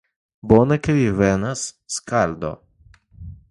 Bone ke vi venas, skaldo!